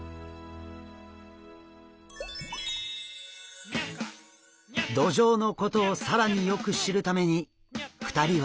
ドジョウのことを更によく知るために２人は次の場所へ。